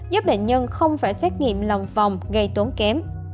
giúp bệnh nhân không phải xét nghiệm lòng phòng gây tốn kém